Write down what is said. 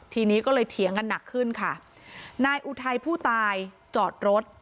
ทีนี้ก็เลยเถียงกันหนักขึ้นค่ะนายอุทัยผู้ตายจอดรถ